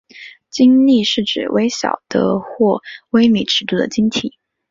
晶粒是指微小的或微米尺度的晶体。